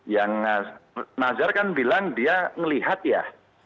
yang nazar kan bilang dia ngelihat ya